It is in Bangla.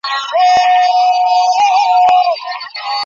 তবে জীবিত অবস্থায় আপনার বাবা তাঁর সম্পত্তি যাকে ইচ্ছা দান করতে পারেন।